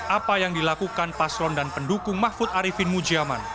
apa yang dilakukan paslon dan pendukung mahfud arifin mujaman